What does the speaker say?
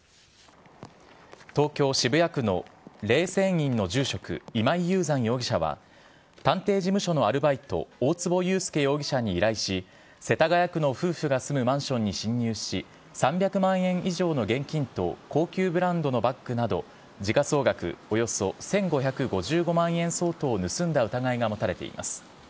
東京・渋谷区の霊泉院の住職、今井雄山容疑者は、探偵事務所のアルバイト、大坪裕介容疑者に依頼し、世田谷区の夫婦が住むマンションに侵入し、３００万円以上の現金と、高級ブランドのバッグなど、時価総額およそ１５５５万円相当を盗んだ疑いが持たれています。